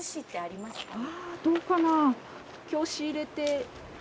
ああどうかな。